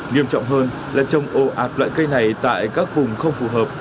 nghiêm trọng hơn là trồng ồ ạt loại cây này tại các vùng không phù hợp